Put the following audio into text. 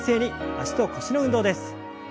脚と腰の運動です。